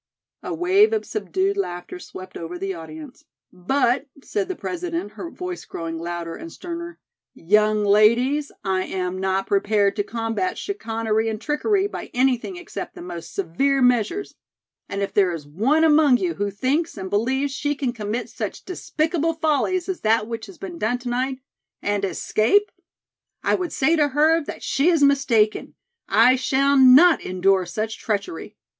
A wave of subdued laughter swept over the audience. "But," said the President, her voice growing louder and sterner, "young ladies, I am not prepared to combat chicanery and trickery by anything except the most severe measures, and if there is one among you who thinks and believes she can commit such despicable follies as that which has been done to night, and escape I would say to her that she is mistaken. I shall not endure such treachery.